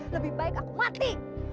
lebih baik aku mati